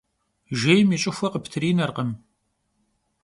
Jjêym yi ş'ıxue khıptrinerkhım.